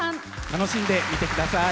楽しんで見てください。